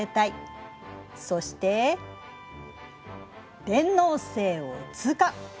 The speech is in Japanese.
そして天王星を通過。